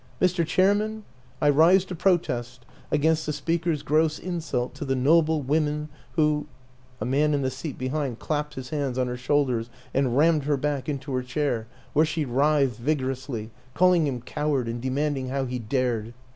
" Mr. Chairman, I rise to protest against the speaker's gross insult to the noble women who " A man in the seat behind clapped his hands on her shoulders and rammed her back into her chair where she writhed vigorously, calling him coward and demanding how he dared